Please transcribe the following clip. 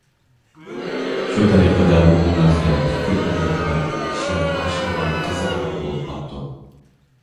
شۇ تەرىقىدە بۇ مۇنازىرە پۈتكۈل ئەلگە تاراپ كىشىلەر تالىشىدىغان قىزىق نۇقتا بولۇپ قاپتۇ.